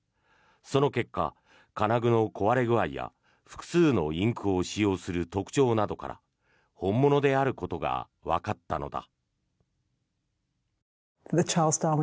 その結果、金具の壊れ具合や複数のインクを使用するという特徴などから本物であることがわかったのだ。